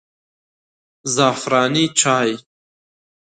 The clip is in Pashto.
زعفراني چای